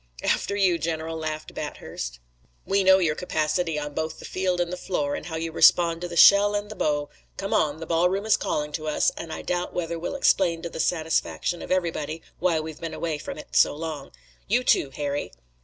"After you, General," laughed Bathurst. "We know your capacity on both the field and the floor, and how you respond to the shell and the bow. Come on! The ballroom is calling to us, and I doubt whether we'll explain to the satisfaction of everybody why we've been away from it so long. You, too, Harry!"